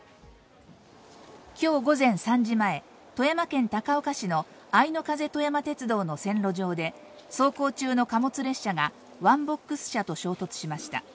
今日午前３時前、富山県高岡市のあいの風とやま鉄道の線路上で走行中の貨物列車がワンボックス車と衝突しました。